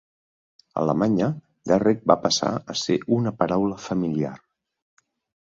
A Alemanya, "Derrick" va passar a ser una paraula familiar.